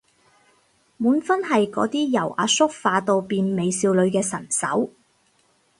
滿分係嗰啲由阿叔化到變美少女嘅神手